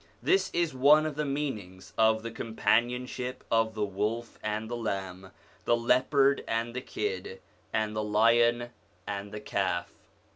This is one of the meanings of the companionship of the wolf and the lamb, the leopard and the kid, and the lion and the calf.